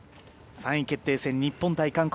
３位決定戦日本対韓国。